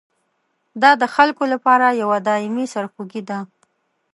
دا د خلکو لپاره یوه دایمي سرخوږي ده.